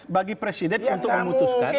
bagi presiden untuk memutuskan